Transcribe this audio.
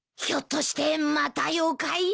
ひょっとしてまた妖怪？